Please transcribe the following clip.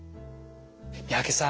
三宅さん